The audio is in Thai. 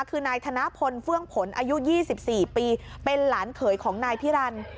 คือนายธนพลเฟื่องผลอายุ๒๔ปีเป็นหลานเขยของนายพิรันดิ